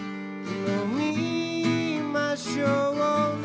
「飲みましょうね」